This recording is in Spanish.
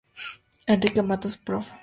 Enrique Matos Prof.